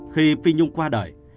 khi phi nhung qua đời